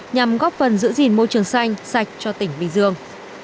nhằm góp phần giữ gìn môi trường xanh sạch cho tỉnh bình dương